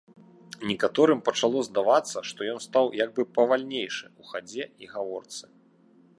Некаторым пачало здавацца, што ён стаў як бы павальнейшы ў хадзе і гаворцы.